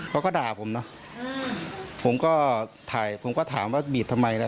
เขาก็ด่าผมนะผมก็ถ่ายผมก็ถามว่าบีบทำไมนะ